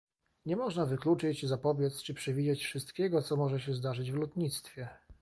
Nie można wykluczyć, zapobiec, czy przewidzieć wszystkiego, co może się zdarzyć w lotnictwie